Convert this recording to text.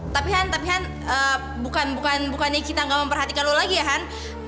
tapi han tapi han bukan bukan bukannya kita gak memperhatikan lo lagi ya han